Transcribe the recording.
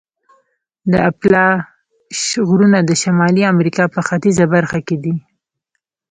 د اپالاش غرونه د شمالي امریکا په ختیځه برخه کې دي.